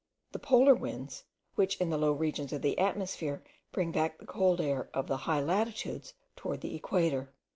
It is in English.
the polar winds, which, in the low regions of the atmosphere bring back the cold air of the high latitudes toward the equator.